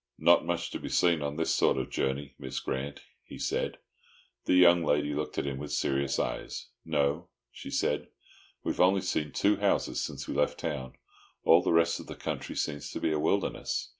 "Not much to be seen on this sort of journey, Miss Grant," he said. The young lady looked at him with serious eyes. "No," she said, "we've only seen two houses since we left the town. All the rest of the country seems to be a wilderness."